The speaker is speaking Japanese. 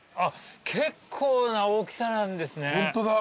結構な大きさなんですね。